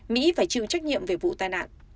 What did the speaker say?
mỹ phải chịu trách nhiệm về vụ tai nạn